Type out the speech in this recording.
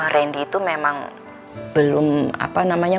randy itu memang